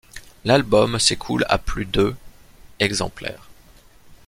L'album s'écoule à plus de exemplaires.